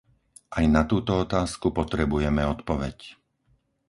Aj na túto otázku potrebujeme odpoveď.